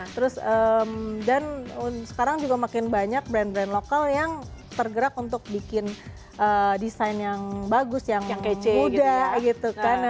terus dan sekarang juga makin banyak brand brand lokal yang tergerak untuk bikin desain yang bagus yang muda gitu kan